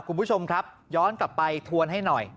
คุณผู้ชมครับย้อนกลับไปทวนให้หน่อย